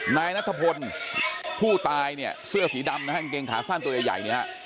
นายนัทพลผู้ตายเนี่ยเสื้อสีดำนะฮะกางเกงขาสั้นตัวใหญ่เนี่ยฮะ